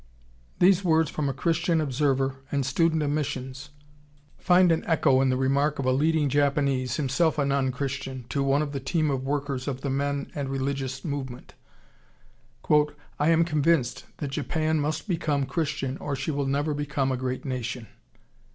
] These words from a Christian observer and student of missions find an echo in the remark of a leading Japanese, himself a non Christian, to one of the team of workers of the Men and Religion Movement: "I am convinced that Japan must become Christian or she will never become a great nation."